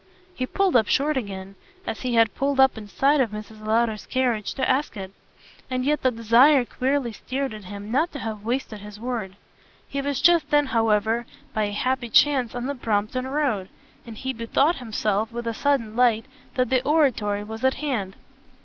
he pulled up short again, as he had pulled up in sight of Mrs. Lowder's carriage, to ask it. And yet the desire queerly stirred in him not to have wasted his word. He was just then however by a happy chance in the Brompton Road, and he bethought himself with a sudden light that the Oratory was at hand.